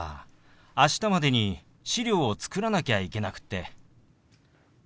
明日までに資料を作らなきゃいけなくって。